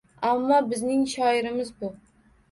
Ammo bizning shoirimiz bu.